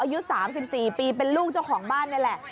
อายุ๓๔ปีเป็นลูกเจ้าของบ้านนี่แหละ